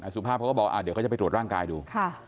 สุภาพเขาก็บอกเดี๋ยวเขาจะไปตรวจร่างกายดู